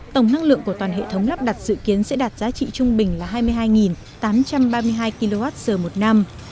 tổng năng lượng của toàn hệ thống lắp đặt dự kiến sẽ đạt giá trị trung bình là hai mươi hai tám trăm ba mươi hai kwh một năm